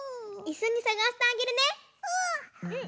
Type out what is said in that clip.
いっしょにさがしてあげるね！